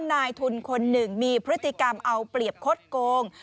นายทุนคนหนึ่งมีพฤติกรรมเอาเปรียบคดโกง